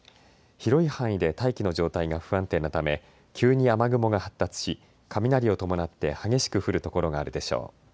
広い範囲で大気の状態が不安定なため急に雨雲が発達し雷を伴って激しく降る所があるでしょう。